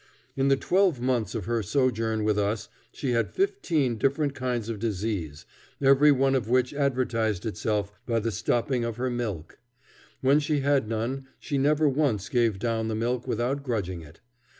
In the twelve months of her sojourn with us she had fifteen different kinds of disease, every one of which advertised itself by the stopping of her milk, When she had none, she never once gave down the milk without grudging it.